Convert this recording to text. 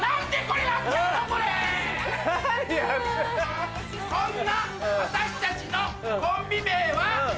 そんな私たちのコンビ名は。